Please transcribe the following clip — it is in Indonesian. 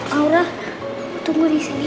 aura tunggu di sini